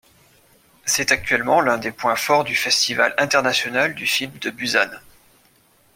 C’est actuellement l’un des points forts du Festival international du film de Busan.